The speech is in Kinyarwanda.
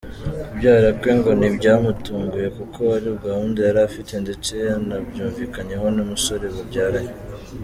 Kubyara kwe ngo ntibyamutunguye kuko ari gahunda yari afite ndetse yanabyumvikanyeho n’umusore babyaranye.